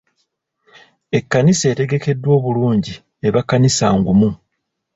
Ekkanisa etegekeddwa obulungi eba kkanisa ngumu.